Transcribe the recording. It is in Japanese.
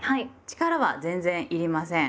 力は全然要りません。